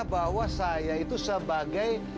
bahwa saya itu sebagai